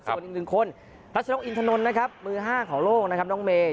ส่วนอีกหนึ่งคนรัชนกอินทนนท์นะครับมือ๕ของโลกนะครับน้องเมย